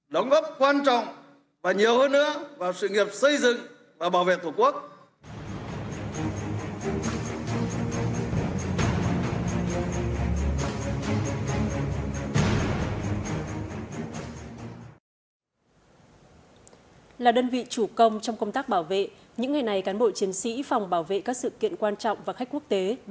đóng góp quan trọng và nhiều hơn nữa vào sự nghiệp xây dựng và bảo vệ tổ quốc